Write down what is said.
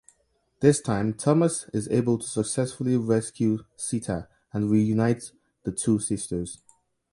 This time Thomas is able to successfully rescue Sita and reunite the two sisters.